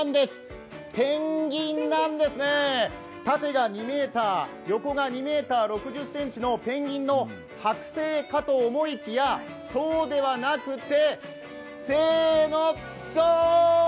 ペンギンなんですね、縦が２ｍ横が２ｍ６０ｃｍのペンギンの剥製かと思いきや、そうではなくて、せーの、ゴー！